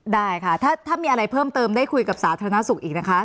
ได้ค่ะถ้ามีอะไรเพิ่มเติมได้คุยกับสาธารณสุขอีกนะคะ